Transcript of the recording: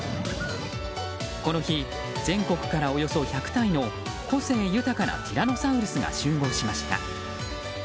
この日、全国からおよそ１００体の個性豊かなティラノサウルスが集合しました。